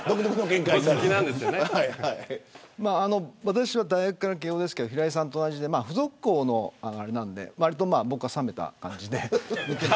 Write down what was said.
私は大学から慶応ですけど平井さんと同じで付属校のあれなんで僕は割と冷めた感じで。